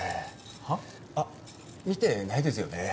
は？あっ見てないですよね。